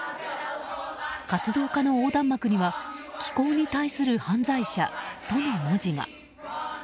活動家の横断幕には「気候に対する犯罪者」との文字が。